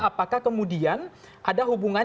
apakah kemudian ada hubungan